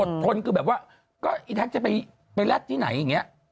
ทนคือแบบว่าก็อีแท็กจะไปแรดที่ไหนอย่างนี้